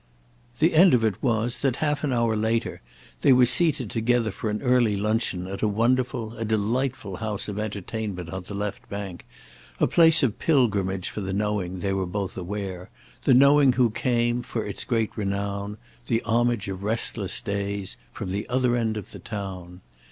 The end of it was that half an hour later they were seated together for an early luncheon at a wonderful, a delightful house of entertainment on the left bank—a place of pilgrimage for the knowing, they were both aware, the knowing who came, for its great renown, the homage of restless days, from the other end of the town.